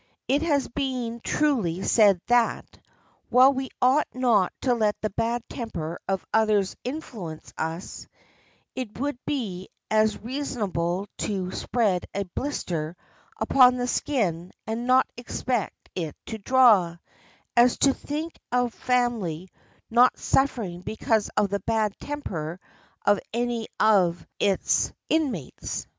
It has been truly said that, while we ought not to let the bad temper of others influence us, it would be as reasonable to spread a blister upon the skin and not expect it to draw, as to think a family not suffering because of the bad temper of any of its inmates.